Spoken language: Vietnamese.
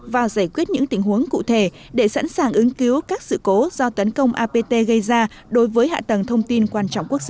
và giải quyết những tình huống cụ thể để sẵn sàng ứng cứu các sự cố do tấn công apt gây ra đối với hạ tầng thông tin quan trọng quốc gia